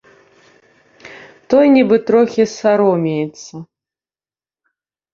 Той нібы трохі саромеецца.